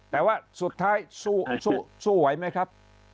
แต่ว่าสุดท้ายสู้ไหวไหมครับ